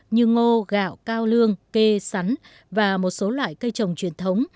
như ngô gạo cao lương cây sắn và một số loại cây trồng truyền thống